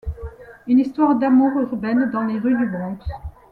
Une histoire d'amour urbaine dans les rues du Bronx.